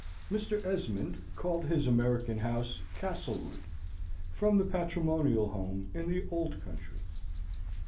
Mr. Esmond called his American house Castlewood, from the patrimonial home in the old country.